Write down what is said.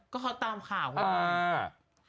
ก็เขาตามข่าวเลยนะเออ